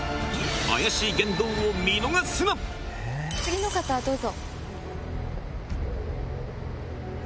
次の方どうぞ。